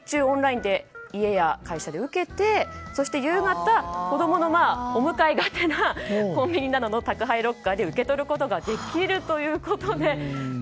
オンラインで家や会社で受けてそして、夕方子供のお迎えがてらコンビニの宅配ロッカーで受け取ることができるということで。